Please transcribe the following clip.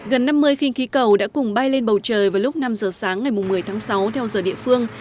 gần năm mươi khinh khí cầu đã cùng bay lên bầu trời vào lúc năm giờ sáng ngày một mươi tháng sáu theo giờ địa phương